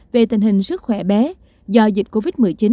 về tình hình sức khỏe bé do dịch covid một mươi chín